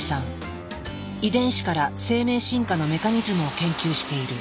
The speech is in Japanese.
遺伝子から生命進化のメカニズムを研究している。